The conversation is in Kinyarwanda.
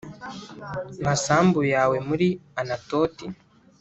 masambu yawe muri Anatoti